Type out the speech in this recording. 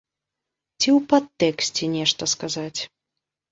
Ці ў падтэксце нешта сказаць.